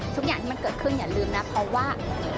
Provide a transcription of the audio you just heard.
ทุกอย่างที่มันเกิดขึ้นอย่าลืมนะเพราะว่า